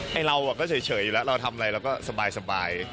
เราก็เฉยอยู่แล้วเราทำอะไรเราก็สบาย